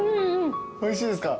おいしいですか？